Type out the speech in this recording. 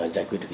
giải quyết được